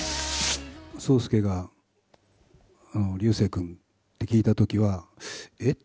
霜介が、流星君って聞いたときは、えっ？